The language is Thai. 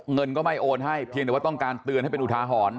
เงินก็ไม่โอนให้เพียงแต่ว่าต้องการเตือนให้เป็นอุทาหรณ์